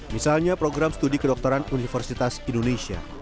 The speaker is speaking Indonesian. misalnya program studi kedokteran universitas indonesia